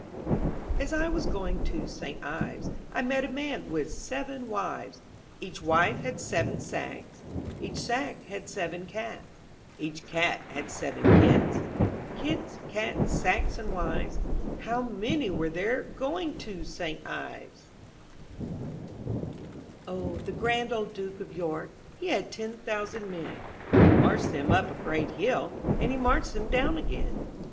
A S I was going to St. Ives, ^^ I met a man with seven wives; Each wife had seven sacks; Each sack had seven cats; Each cat had seven kits. Kits, cats, sacks, and wives, How many were there going to 37 MY BOOK HOUSE /^ THE grand old Duke of York, ^^y He had ten thousand men; He marched them up a great big hill, And he marched them down again.